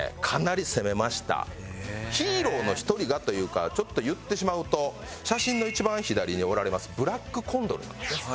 これねヒーローの１人がというかちょっと言ってしまうと写真の一番左におられますブラックコンドルさんですね。